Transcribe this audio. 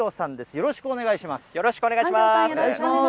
よろしくお願いします。